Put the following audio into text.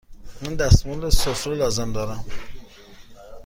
من دستمال سفره لازم دارم.